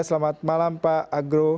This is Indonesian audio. selamat malam pak agro